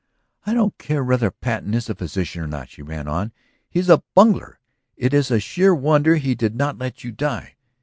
"I don't care whether Patten is a physician or not," she ran on. "He is a bungler. It is a sheer wonder he did not let you die.